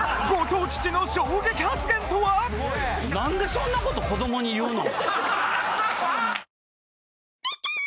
なんでそんなこと子どもに言うの？